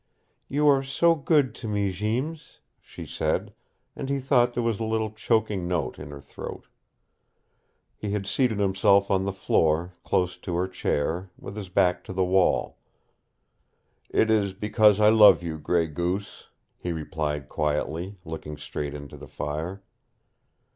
"You are so good to me, Jeems," she said, and he thought there was a little choking note in her throat. He had seated himself on the floor, close to her chair, with his back to the wall. "It is because I love you, Gray Goose," he replied quietly, looking straight into the fire.